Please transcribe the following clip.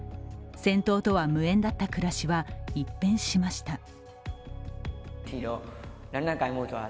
戦闘とは無縁だった暮らしは一変しました。